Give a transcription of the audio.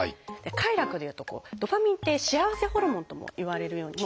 「快楽」でいうとドパミンって「幸せホルモン」ともいわれるように。